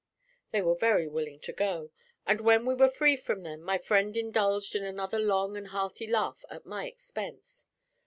They were very willing to go; and when we were free from them my friend indulged in another long and hearty laugh at my expense.